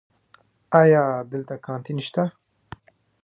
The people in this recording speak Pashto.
ایا دلته کانتین شته؟